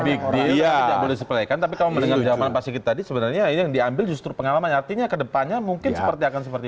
tidak boleh diseplaykan tapi kamu mendengar jawaban pak sigit tadi sebenarnya yang diambil justru pengalaman artinya ke depannya mungkin seperti akan seperti itu